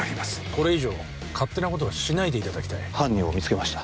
これ以上勝手なことはしないでいただきたい犯人を見つけました